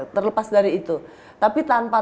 terlepas dari itu tapi tanpa